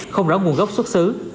không rõ nguồn gốc xuất xứ